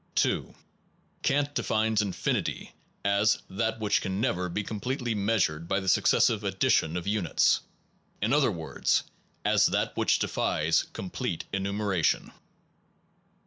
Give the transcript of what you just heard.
2. Kant defines infinity as that which can never be completely measured by the succes sive addition of units in other words, as that which defies complete enumeration.